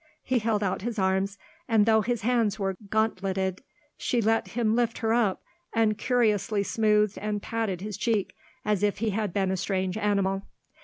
He held out his arms, and, though his hands were gauntleted, she let him lift her up, and curiously smoothed and patted his cheek, as if he had been a strange animal.